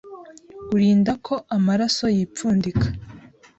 urinda ko amaraso yipfundika,